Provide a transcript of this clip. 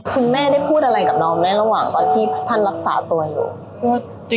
คุณแม่ได้พูดอะไรกับเราไหมระหว่างตอนที่ท่านรักษาตัวอยู่